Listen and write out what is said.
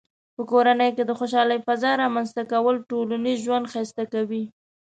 په کورنۍ کې د خوشحالۍ فضاء رامنځته کول ټولنیز ژوند ښایسته کوي.